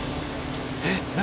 えっ何？